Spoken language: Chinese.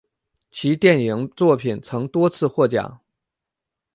其电影作品曾多次获奖。